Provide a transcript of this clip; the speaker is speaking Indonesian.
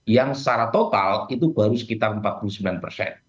yang secara total itu baru sekitar empat puluh sembilan persen